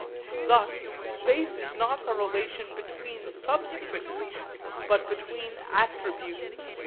Thus space is not a relation between substances, but between attributes.